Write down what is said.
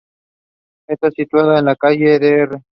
Está situada en la calle Dr.